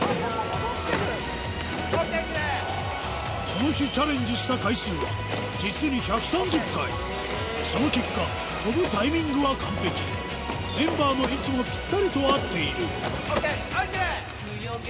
この日チャレンジした回数は実に１３０回その結果跳ぶタイミングは完璧メンバーの息もぴったりと合っているＯＫ！ＯＫ！